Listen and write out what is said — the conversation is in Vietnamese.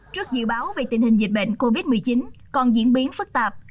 trước dự báo về tình hình dịch bệnh covid một mươi chín còn diễn biến phức tạp